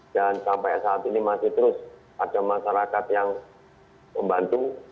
dan sampai saat ini masih terus ada masyarakat yang membantu